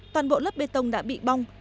toàn bộ lớp bê tông đã bị bong